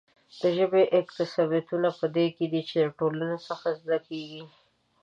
د ژبې اکتسابيتوب په دې کې دی چې له ټولنې څخه زده کېږي.